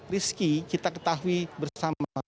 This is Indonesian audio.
risky kita ketahui bersama